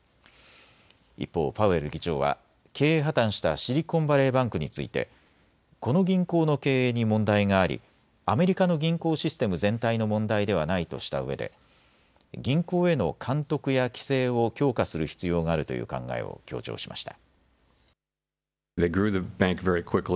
一方、パウエル議長は経営破綻したシリコンバレーバンクについてこの銀行の経営に問題がありアメリカの銀行システム全体の問題ではないとしたうえで銀行への監督や規制を強化する必要があるという考えを強調しました。